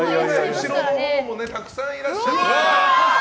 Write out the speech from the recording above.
後ろのほうもたくさんいらっしゃって。